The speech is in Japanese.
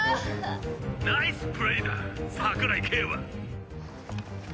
ナイスプレーだ桜井景和！